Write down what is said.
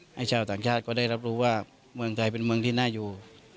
ให้ชาวต่างชาติก็ได้รับรู้ว่าเมืองไทยเป็นเมืองที่น่าอยู่